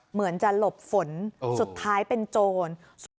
เหมือนจะหลบฝนสุดท้ายเป็นโจร